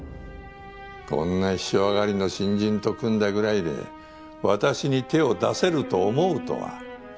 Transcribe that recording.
こんな秘書上がりの新人と組んだぐらいで私に手を出せると思うとは。